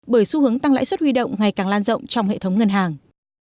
bởi xu hướng tăng lãi suất huy động ngày càng lan rộng trong hệ thống ngân hàng